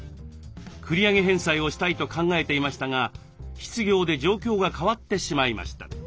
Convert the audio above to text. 繰り上げ返済をしたいと考えていましたが失業で状況が変わってしまいました。